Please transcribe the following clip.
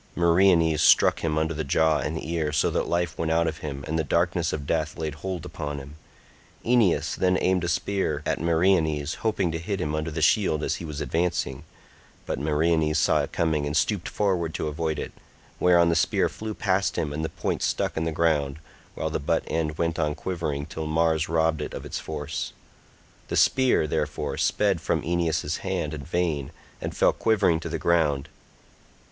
Meriones struck him under the jaw and ear, so that life went out of him and the darkness of death laid hold upon him. Aeneas then aimed a spear at Meriones, hoping to hit him under the shield as he was advancing, but Meriones saw it coming and stooped forward to avoid it, whereon the spear flew past him and the point stuck in the ground, while the butt end went on quivering till Mars robbed it of its force. The spear, therefore, sped from Aeneas's hand in vain and fell quivering to the ground.